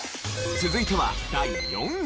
続いては第４位。